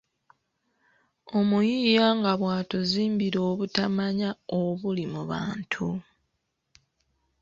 Omuyiiya nga bw’atuzimbira obutamanya obuli mu bantu.